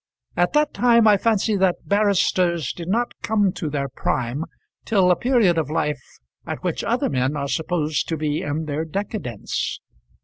At that time I fancy that barristers did not come to their prime till a period of life at which other men are supposed to be in their decadence.